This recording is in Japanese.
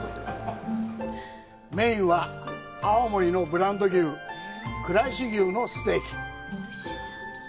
メインは、青森のブランド牛、倉石牛のステーキ。